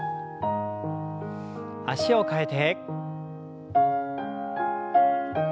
脚を替えて。